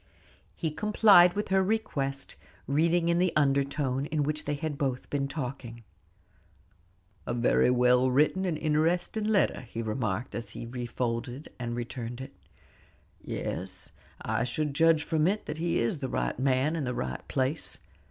He complied with her request, reading in the undertone in which they had been talking. "A very well written and interesting letter," he remarked, as he refolded and returned it. "Yes, I should judge from it that he is the right man in the right place.